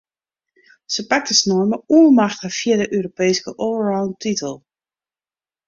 Se pakte snein mei oermacht har fjirde Europeeske allroundtitel.